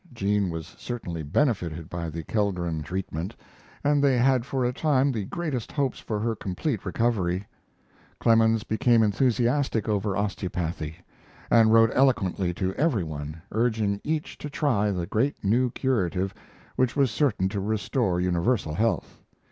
Jean was certainly benefited by the Kellgren treatment, and they had for a time the greatest hopes of her complete recovery. Clemens became enthusiastic over osteopathy, and wrote eloquently to every one, urging each to try the great new curative which was certain to restore universal health.